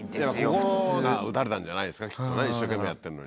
心が打たれたんじゃないですかきっとね一生懸命やってるのに。